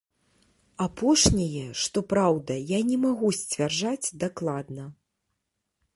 Апошняе, што праўда, я не магу сцвярджаць дакладна.